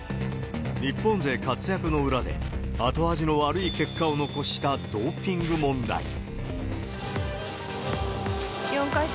日本勢活躍の裏で、後味の悪い結果を残したドーピング問題。